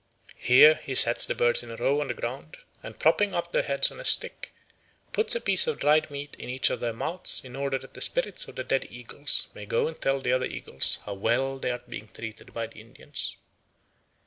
Here he sets the birds in a row on the ground, and propping up their heads on a stick, puts a piece of dried meat in each of their mouths in order that the spirits of the dead eagles may go and tell the other eagles how well they are being treated by the Indians.